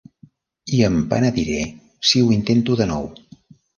I em penediré si ho intento de nou.